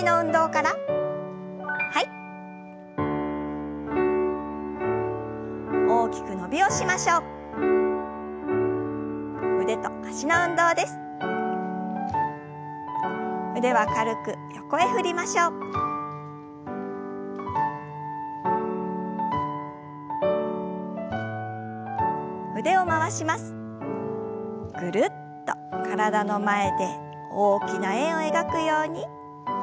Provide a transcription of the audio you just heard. ぐるっと体の前で大きな円を描くように。